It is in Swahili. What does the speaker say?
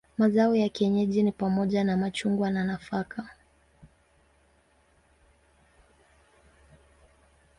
Mazao ya kienyeji ni pamoja na machungwa na nafaka.